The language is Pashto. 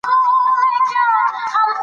انګور د افغانستان یوه طبیعي ځانګړتیا ده.